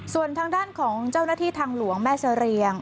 ส่วนทางด้านของเจ้าหน้าที่ทางหลวงแม่เสรียง